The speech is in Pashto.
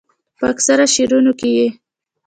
پۀ اکثره شعرونو ئې